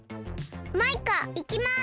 マイカいきます。